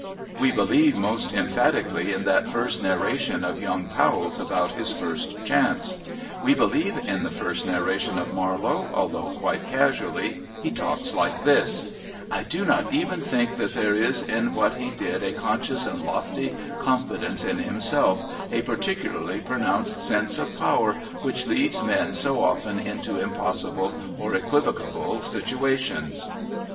We believe most emphatically in that first narration of young Powell's about his first chance. We believe in the first narration of Marlowe, although quite casually he talks like this: "I do not even think that there was in what he did a conscious and lofty confidence in himself, a particularly pronounced sense of power which leads men so often into impossible or equivocal situations."